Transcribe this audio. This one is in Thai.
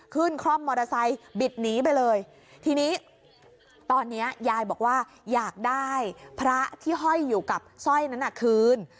คล่อมมอเตอร์ไซค์บิดหนีไปเลยทีนี้ตอนเนี้ยยายบอกว่าอยากได้พระที่ห้อยอยู่กับสร้อยนั้นคืน